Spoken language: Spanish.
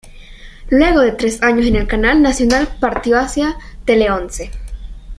Luego de tres años en el canal nacional partió hacia Teleonce.